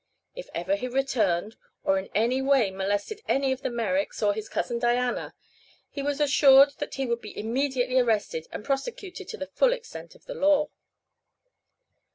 If ever he returned, or in any way molested any of the Merricks or his cousin Diana, he was assured that he would be immediately arrested and prosecuted to the full extent of the law.